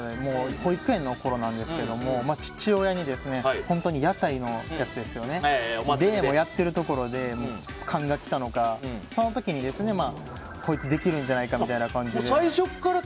保育園のころなんですけど父親に屋台のやつでやってるところで勘が来たのかその時に、こいつできるんじゃないかみたいな感じで。